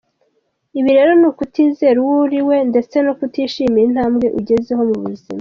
Ibi rero ni ukutizera uwo uri we ndetse no kutishimira intambwe ugezeho mu buzima.